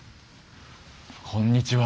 こんにちは。